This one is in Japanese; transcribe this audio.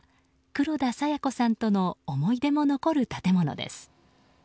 黒田清子さんとの思い出も残る建物です。